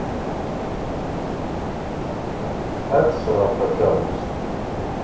Ad d-sɣeɣ takeṛṛust.